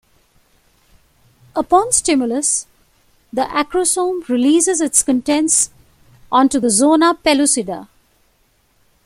Upon stimulus, the acrosome releases its contents onto the zona pellucida.